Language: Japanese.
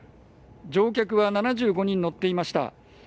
乗客は７５人乗っていました。